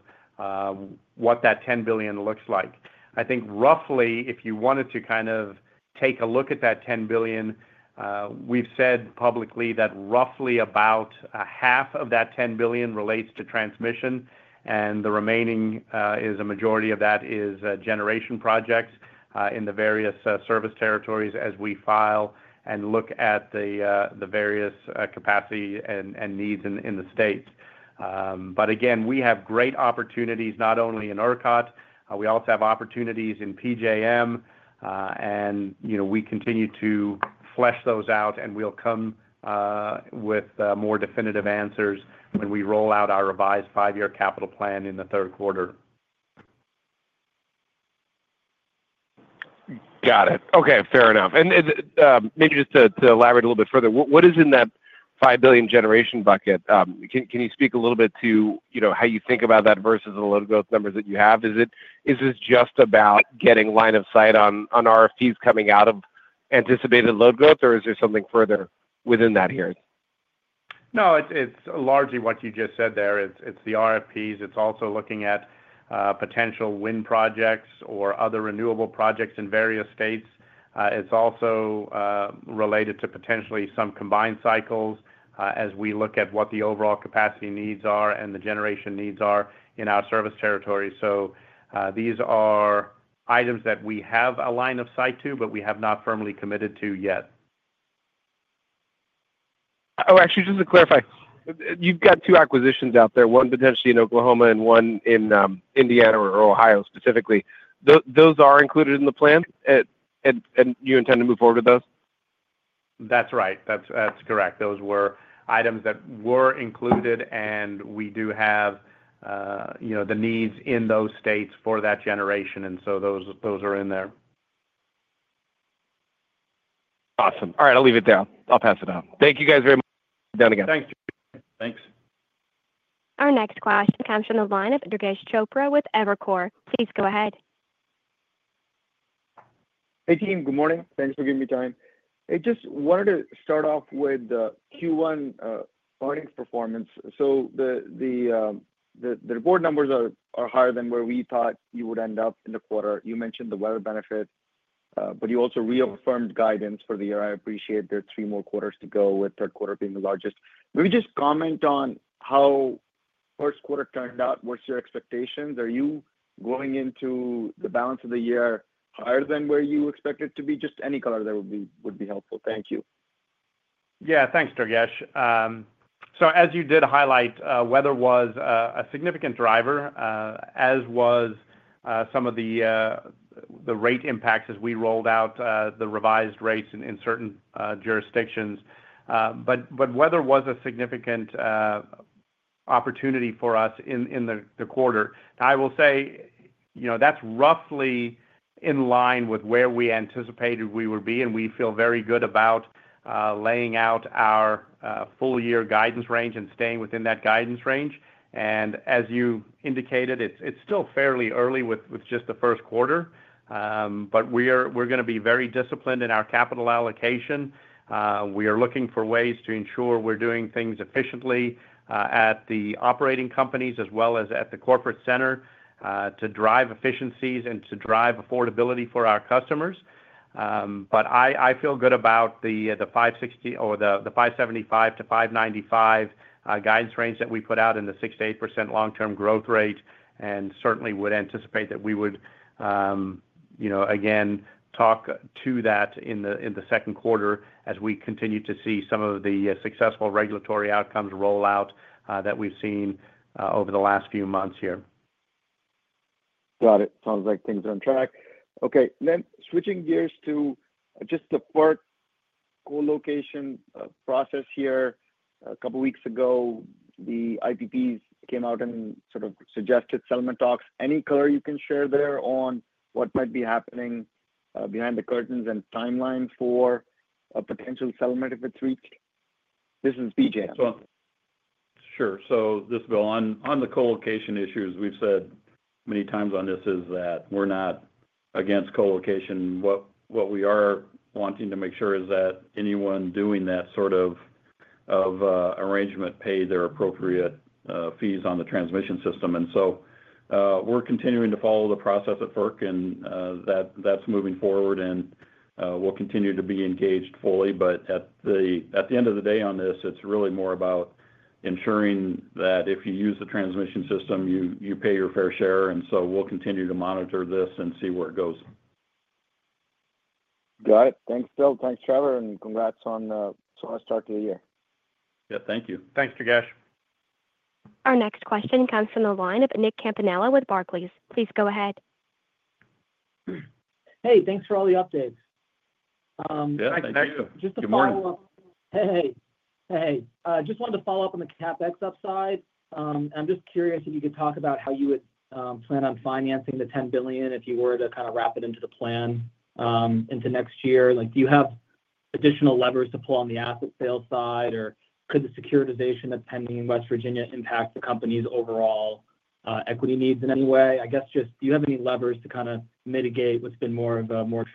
what that $10 billion looks like. I think roughly, if you wanted to kind of take a look at that $10 billion, we've said publicly that roughly about half of that $10 billion relates to transmission, and the remaining is a majority of that is generation projects in the various service territories as we file and look at the various capacity and needs in the states. We have great opportunities not only in ERCOT. We also have opportunities in PJM. We continue to flesh those out, and we'll come with more definitive answers when we roll out our revised five-year capital plan in the third quarter. Got it. Okay. Fair enough. Maybe just to elaborate a little bit further, what is in that $5 billion, generation bucket? Can you speak a little bit to how you think about that versus the load growth numbers that you have? Is this just about getting line of sight on RFPs, coming out of anticipated load growth, or is there something further within that here? No, it's largely what you just said there. It's the RFPs. It's also looking at potential wind projects or other renewable projects in various states. It's also related to potentially some combined cycles as we look at what the overall capacity needs are and the generation needs are in our service territory. These are items that we have a line of sight to, but we have not firmly committed to yet. Oh, actually, just to clarify, you've got two acquisitions out there, one potentially in Oklahoma, and one in Indiana or Ohio specifically. Those are included in the plan, and you intend to move forward with those? That's right. That's correct. Those were items that were included, and we do have the needs in those states for that generation. Those are in there. Awesome. All right. I'll leave it there. I'll pass it on. Thank you guys very much. Down again. Thanks. Thanks. Our next question comes from the line of Andreas Burdach, with Evercore. Please go ahead. Hey, team. Good morning. Thanks for giving me time. I just wanted to start off with Q1 earnings performance. The report numbers are higher than where we thought you would end up in the quarter. You mentioned the weather benefit, but you also reaffirmed guidance for the year. I appreciate there are three more quarters to go with third quarter being the largest. Maybe just comment on how first quarter turned out. What's your expectations? Are you going into the balance of the year higher than where you expected it to be? Just any color there would be helpful. Thank you. Yeah. Thanks, Durgesh. As you did highlight, weather was a significant driver, as was some of the rate impacts as we rolled out the revised rates in certain jurisdictions. Weather was a significant opportunity for us in the quarter. I will say that's roughly in line with where we anticipated we would be, and we feel very good about laying out our full-year guidance range and staying within that guidance range. As you indicated, it's still fairly early with just the first quarter, but we're going to be very disciplined in our capital allocation. We are looking for ways to ensure we're doing things efficiently at the operating companies as well as at the corporate center to drive efficiencies and to drive affordability for our customers. I feel good about the $560 or the $575-$595 guidance range, that we put out in the 6%-8% long-term growth rate. I certainly would anticipate that we would, again, talk to that in the second quarter, as we continue to see some of the successful regulatory outcomes rollout that we've seen over the last few months here. Got it. Sounds like things are on track. Okay. Switching gears to just the port colocation process here. A couple of weeks ago, the IPPs, came out and sort of suggested settlement talks. Any color you can share there on what might be happening behind the curtains and timeline for a potential settlement if it's reached? This is PJM. Sure. So this bill on the colocation issues, we've said many times on this is that we're not against colocation. What we are wanting to make sure is that anyone doing that sort of arrangement pay their appropriate fees on the transmission system. We are continuing to follow the process at work, and that's moving forward. We will continue to be engaged fully. At the end of the day on this, it's really more about ensuring that if you use the transmission system, you pay your fair share. We will continue to monitor this and see where it goes. Got it. Thanks, Bill. Thanks, Trevor. And congrats on a smart start to the year. Yeah. Thank you. Thanks, Torgesh. Our next question comes from the line of Nick Campanella, with Barclays. Please go ahead. Hey, thanks for all the updates. Thanks. Thank you. Just a follow-up. Hey. Hey. Hey. Just wanted to follow up on the CapEx upside. I'm just curious if you could talk about how you would plan on financing the $10 billion, if you were to kind of wrap it into the plan into next year. Do you have additional levers to pull on the asset sale side, or could the securitization that's pending in West Virginia, impact the company's overall equity needs in any way? I guess just do you have any levers to kind of mitigate what's been more of a more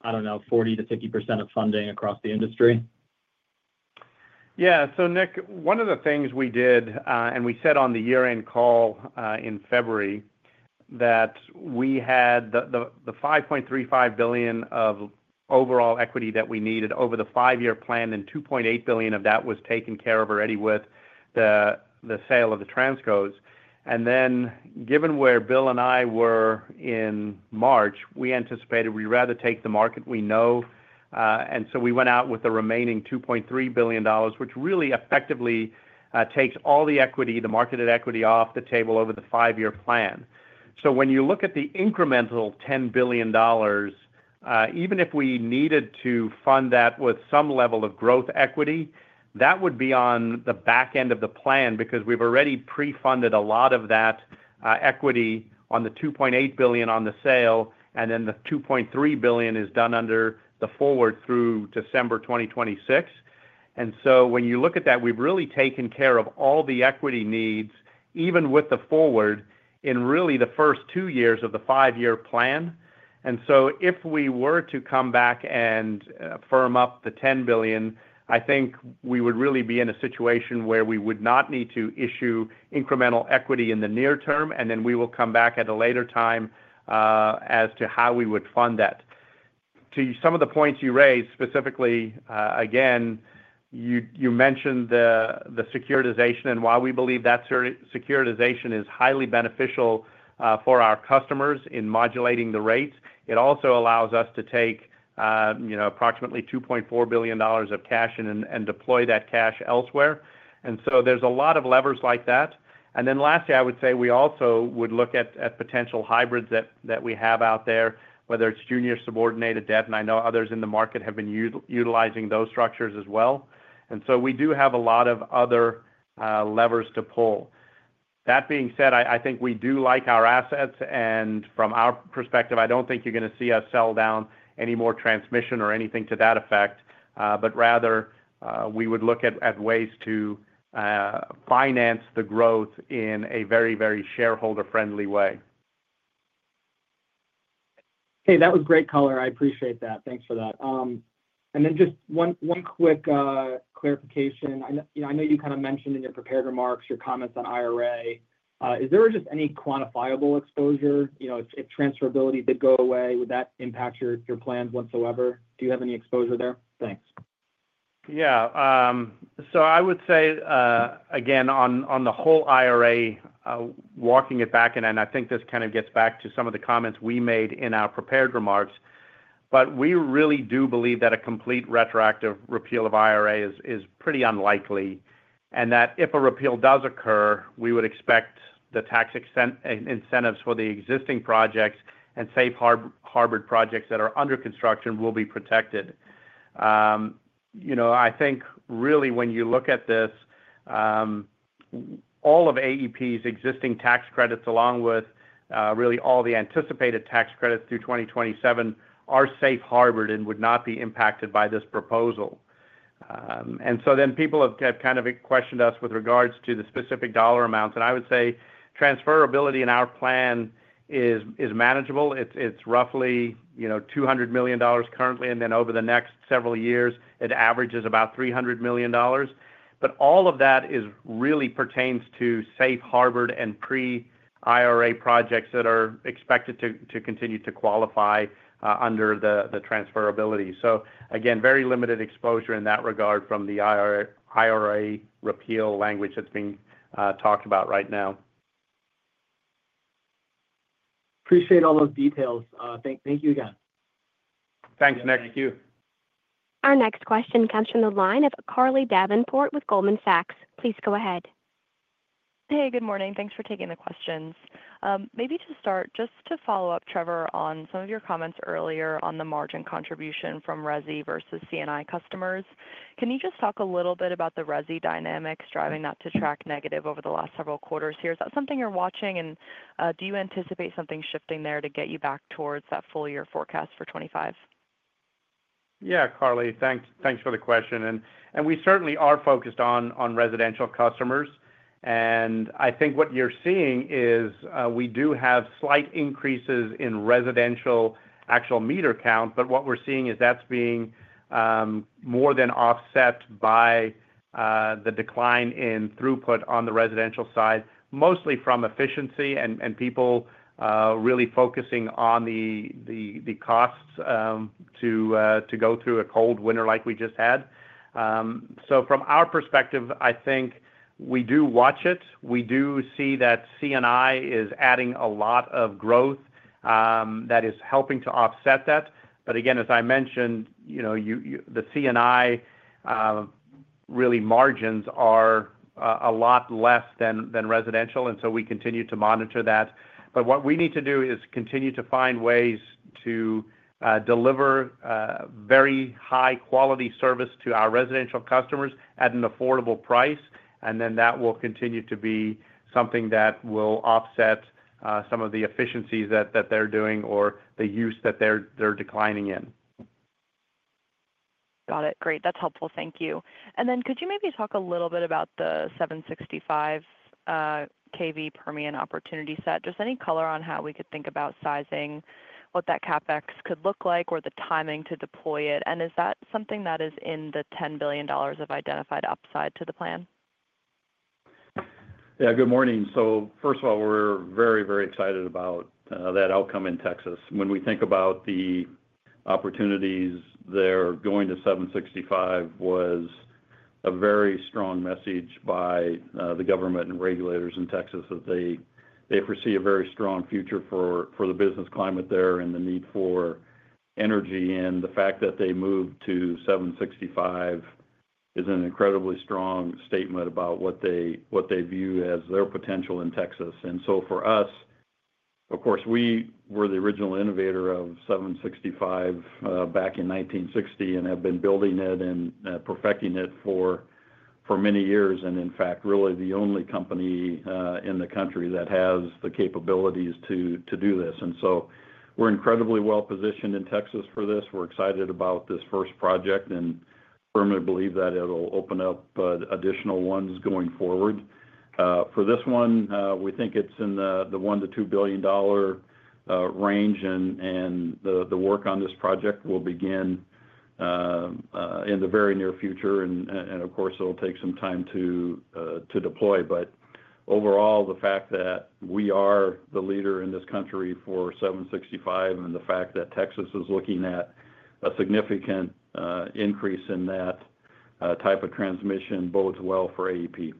traditional, I don't know, 40-50%, of funding across the industry? Yeah. Nick, one of the things we did, and we said on the year-end call in February that we had the $5.35 billion of overall equity, that we needed over the five-year plan, and $2.8 billion, of that was taken care of already with the sale of the Transcos. Given where Bill and I, were in March, we anticipated we'd rather take the market we know. We went out with the remaining $2.3 billion, which really effectively takes all the equity, the marketed equity off the table over the five-year plan. When you look at the incremental $10 billion, even if we needed to fund that with some level of growth equity, that would be on the back end of the plan because we have already pre-funded a lot of that equity, on the $2.8 billion on the sale, and then the $2.3 billion, is done under the forward through December 2026. When you look at that, we have really taken care of all the equity needs, even with the forward, in really the first two years of the five-year plan. If we were to come back and firm up the $10 billion, I think we would really be in a situation where we would not need to issue incremental equity in the near term, and then we will come back at a later time as to how we would fund that. To some of the points you raised, specifically, again, you mentioned the securitization and why we believe that securitization is highly beneficial for our customers in modulating the rates. It also allows us to take approximately $2.4 billion of cash, and deploy that cash elsewhere. There are a lot of levers like that. Lastly, I would say we also would look at potential hybrids that we have out there, whether it's junior subordinated debt, and I know others in the market have been utilizing those structures as well. We do have a lot of other levers to pull. That being said, I think we do like our assets, and from our perspective, I do not think you are going to see us sell down any more transmission or anything to that effect, but rather we would look at ways to finance the growth in a very, very shareholder-friendly way. Hey, that was great color. I appreciate that. Thanks for that. One quick clarification. I know you kind of mentioned in your prepared remarks your comments on IRA. Is there just any quantifiable exposure? If transferability did go away, would that impact your plans whatsoever? Do you have any exposure there? Thanks. Yeah. I would say, again, on the whole IRA, walking it back, and I think this kind of gets back to some of the comments we made in our prepared remarks, but we really do believe that a complete retroactive repeal of IRA, is pretty unlikely, and that if a repeal does occur, we would expect the tax incentives for the existing projects and safe harbored projects that are under construction will be protected. I think really when you look at this, all of AEP's, existing tax credits, along with really all the anticipated tax credits through 2027, are safe harbored and would not be impacted by this proposal. People have kind of questioned us with regards to the specific dollar amounts, and I would say transferability in our plan is manageable. It's roughly $200 million currently, and then over the next several years, it averages about $300 million. All of that really pertains to safe harbored and pre-IRA projects, that are expected to continue to qualify under the transferability. Again, very limited exposure in that regard from the IRA, repeal language that's being talked about right now. Appreciate all those details. Thank you again. Thanks, Nick. Thank you. Our next question comes from the line of Carly Davenport, with Goldman Sachs. Please go ahead. Hey, good morning. Thanks for taking the questions. Maybe to start, just to follow up, Trevor, on some of your comments earlier on the margin contribution from Resi versus C&I customers. Can you just talk a little bit about the Resi dynamics,, driving that to track negative over the last several quarters here? Is that something you're watching, and do you anticipate something shifting there to get you back towards that full-year forecast for 2025? Yeah, Carly, thanks for the question. We certainly are focused on residential customers. I think what you're seeing is we do have slight increases in residential actual meter count, but what we're seeing is that's being more than offset by the decline in throughput on the residential side, mostly from efficiency and people really focusing on the costs to go through a cold winter like we just had. From our perspective, I think we do watch it. We do see that C&I is adding a lot of growth that is helping to offset that. Again, as I mentioned, the CNI margins, are a lot less than residential, and we continue to monitor that. What we need to do is continue to find ways to deliver very high-quality service to our residential customers at an affordable price, and that will continue to be something that will offset some of the efficiencies that they are doing or the use that they are declining in. Got it. Great. That's helpful. Thank you. Could you maybe talk a little bit about the 765 kV, Permian Opportunity Set? Just any color on how we could think about sizing, what that CapEx, could look like, or the timing to deploy it? Is that something that is in the $10 billion, of identified upside to the plan? Yeah. Good morning. First of all, we are very, very excited about that outcome in Texas. When we think about the opportunities there going to 765, it was a very strong message by the government and regulators in Texas, that they foresee a very strong future for the business climate there and the need for energy. The fact that they moved to 765, is an incredibly strong statement about what they view as their potential in Texas. For us, of course, we were the original innovator of 765 back in 1960, and have been building it and perfecting it for many years, and in fact, really the only company in the country that has the capabilities to do this. We are incredibly well-positioned in Texas for this. We are excited about this first project and firmly believe that it will open up additional ones going forward. For this one, we think it's in the $1 billion-$2 billion range, and the work on this project will begin in the very near future. Of course, it'll take some time to deploy. Overall, the fact that we are the leader in this country for 765, and the fact that Texas, is looking at a significant increase in that type of transmission bodes well for AEP.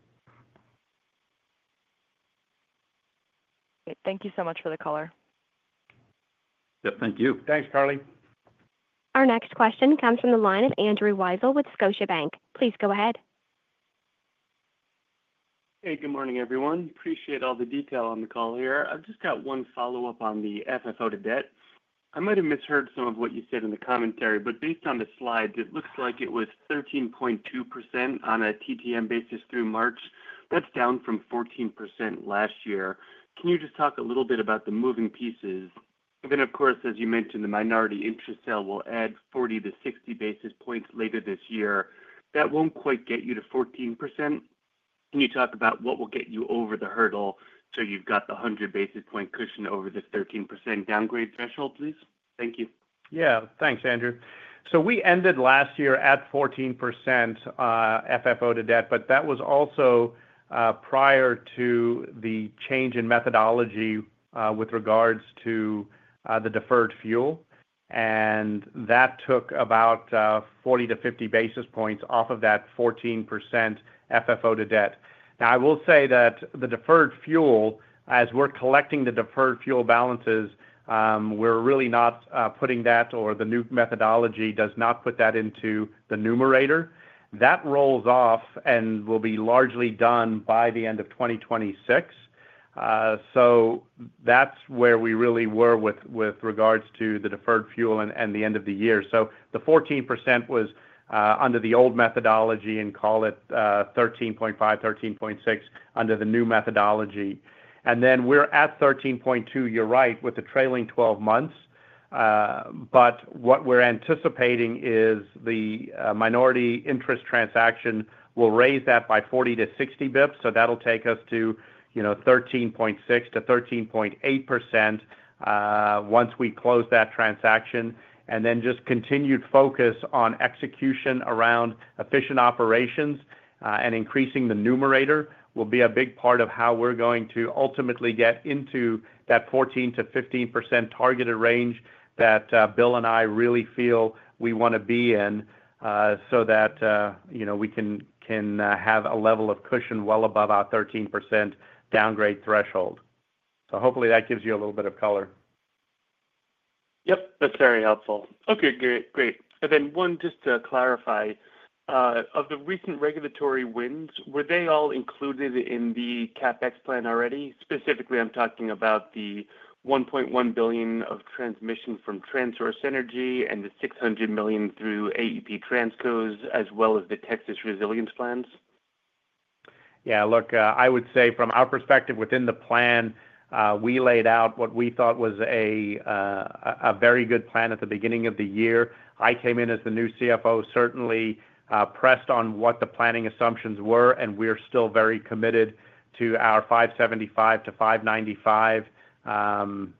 Thank you so much for the color. Yep. Thank you. Thanks, Carly. Our next question comes from the line of Andrew Weisel, with Scotiabank. Please go ahead. Hey, good morning, everyone. Appreciate all the detail on the call here. I've just got one follow-up on the FFO to debt. I might have misheard some of what you said in the commentary, but based on the slides, it looks like it was 13.2%, on a TTM basis, through March. That's down from 14% last year. Can you just talk a little bit about the moving pieces? Of course, as you mentioned, the minority interest sale, will add 40-60 basis points, later this year. That will not quite get you to 14%. Can you talk about what will get you over the hurdle so you have the 100 basis point, cushion over the 13% downgrade threshold, please? Thank you. Yeah. Thanks, Andrew. We ended last year at 14%, FFO to debt, but that was also prior to the change in methodology with regards to the deferred fuel. That took about 40-50 basis points, off of that 14%, FFO to debt. I will say that the deferred fuel, as we are collecting the deferred fuel balances, we are really not putting that, or the new methodology does not put that into the numerator. That rolls off and will be largely done by the end of 2026. That is where we really were with regards to the deferred fuel and the end of the year. The 14%, was under the old methodology and call it 13.5-13.6%, under the new methodology. We are at 13.2%, you are right, with the trailing 12 months. What we are anticipating is the minority interest transaction will raise that by 40 to 60 basis points. That will take us to 13.6-13.8%, once we close that transaction. Continued focus on execution around efficient operations and increasing the numerator will be a big part of how we are going to ultimately get into that 14-15%, targeted range that Bill and I, really feel we want to be in so that we can have a level of cushion well above our 13%, downgrade threshold. Hopefully that gives you a little bit of color. Yep. That's very helpful. Okay. Great. And then one, just to clarify, of the recent regulatory wins, were they all included in the CapEx plan already? Specifically, I'm talking about the $1.1 billion, of transmission from TransSource Energy, and the $600 million, through AEP Transcos, as well as the Texas Resilience Plans. Yeah. Look, I would say from our perspective within the plan, we laid out what we thought was a very good plan at the beginning of the year. I came in as the new CFO, certainly pressed on what the planning assumptions were, and we're still very committed to our $575-$595.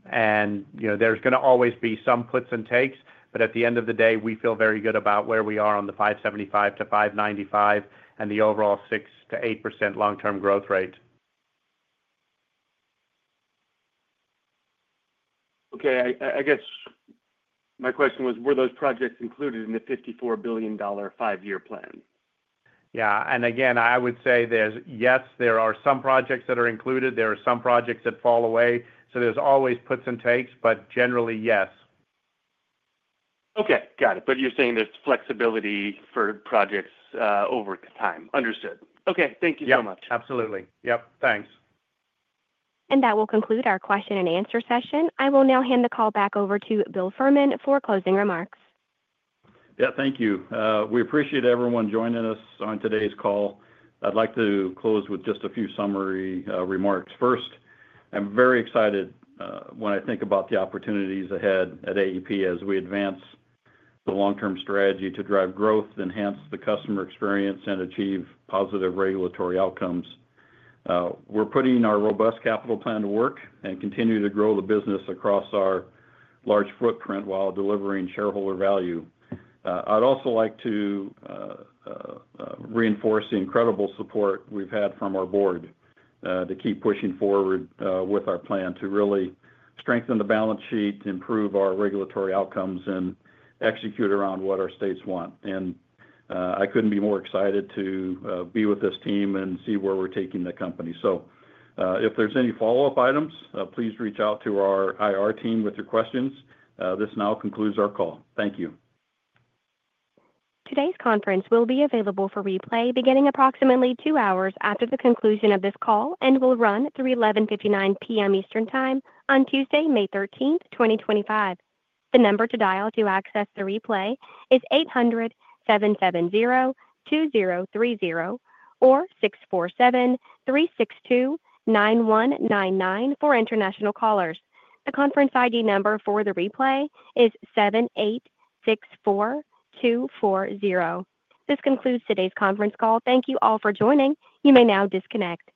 There's going to always be some puts and takes, but at the end of the day, we feel very good about where we are on the $5.75-$5.95 and the overall 6%-8%, long-term growth rate. Okay. I guess my question was, were those projects included in the $54 billion five-year plan? Yeah. I would say yes, there are some projects that are included. There are some projects that fall away. There's always puts and takes, but generally, yes. Okay. Got it. You're saying there's flexibility for projects over time. Understood. Okay. Thank you so much. Yeah. Absolutely. Yep. Thanks. That will conclude our question and answer session. I will now hand the call back over to Bill Fehrman, for closing remarks. Yeah. Thank you. We appreciate everyone joining us on today's call. I'd like to close with just a few summary remarks. First, I'm very excited when I think about the opportunities ahead at AEP, as we advance the long-term strategy to drive growth, enhance the customer experience, and achieve positive regulatory outcomes. We're putting our robust capital plan to work and continue to grow the business across our large footprint while delivering shareholder value. I'd also like to reinforce the incredible support we've had from our board to keep pushing forward with our plan to really strengthen the balance sheet, improve our regulatory outcomes, and execute around what our states want. I couldn't be more excited to be with this team and see where we're taking the company. If there's any follow-up items, please reach out to our IR team, with your questions. This now concludes our call. Thank you. Today's conference will be available for replay beginning approximately two hours after the conclusion of this call and will run through 11:59 P.M. Eastern Time on Tuesday, May 13th, 2025. The number to dial to access the replay is 800-770-2030 or 647-362-9199 for international callers. The conference ID number for the replay is 7864240. This concludes today's conference call. Thank you all for joining. You may now disconnect.